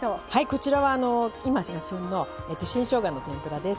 こちらは今が旬の新しょうがの天ぷらです。